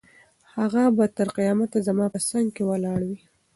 هغه به تر قیامته زما په څنګ کې ولاړه وي.